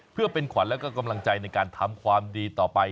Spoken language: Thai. เพื่อเป็นขวัญแล้วก็กำลังใจในการทำความดีต่อไป